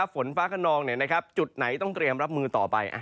ฝนฟ้าขนองจุดไหนต้องเตรียมรับมือต่อไป